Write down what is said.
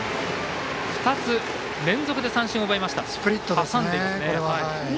２つ、連続で三振を奪いました。